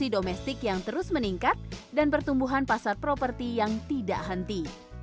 domestik yang terus meningkat dan pertumbuhan pasar properti yang tidak henti